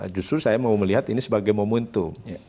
justru saya mau melihat ini sebagai momentum